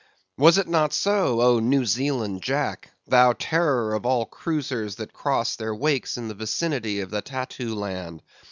Was it not so, O New Zealand Jack! thou terror of all cruisers that crossed their wakes in the vicinity of the Tattoo Land?